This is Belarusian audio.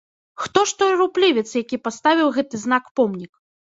Хто ж той руплівец, які паставіў гэты знак-помнік?